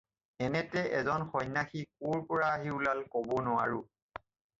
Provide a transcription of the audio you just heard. এনেতে এজন সন্ন্যাসী ক'ৰ পৰা আহি ওলাল ক'ব নোৱাৰোঁ।